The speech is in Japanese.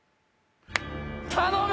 頼む！